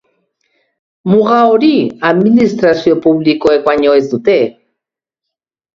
Muga hori administrazio publikoek baino ez dute.